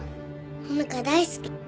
穂花大好き。